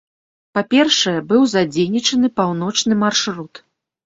Па-першае, быў задзейнічаны паўночны маршрут.